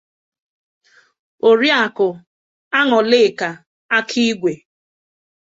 Oriakụ Añụlịka Akigwe